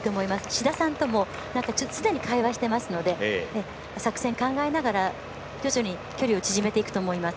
志田さんとも常に会話していますので作戦考えながら徐々に距離を縮めていくと思います。